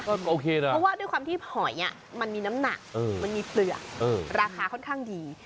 ก็โอเคนะเพราะว่าด้วยความที่หอยมันมีน้ำหนักมันมีเปลือกราคาค่อนข้างดี